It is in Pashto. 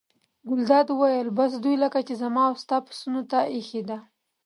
ګلداد وویل: بس دوی لکه چې زما او ستا پسونو ته اېښې ده.